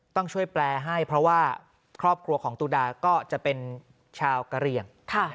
ต้องช่วยแปลให้เพราะว่าครอบครัวของตุดาก็จะเป็นชาวกะเรียง